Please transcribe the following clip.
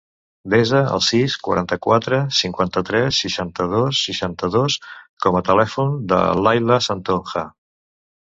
Desa el sis, quaranta-quatre, cinquanta-tres, seixanta-dos, seixanta-dos com a telèfon de l'Ayla Santonja.